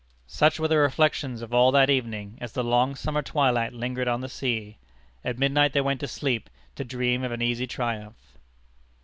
Such were the reflections of all that evening as the long summer twilight lingered on the sea. At midnight they went to sleep, to dream of an easy triumph.